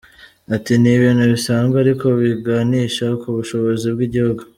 Ati “Ni ibintu bisanzwe ariko biganisha ku bushobozi bw’igihugu.